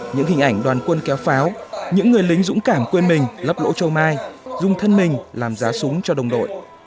những hình ảnh đoàn quân kéo pháo những người lính dũng cảm quên mình lấp lỗ châu mai dung thân mình làm giá súng cho đồng đội